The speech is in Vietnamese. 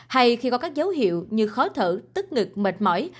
hay khi có các dấu hiệu như khó thở tức ngực mệt mỏi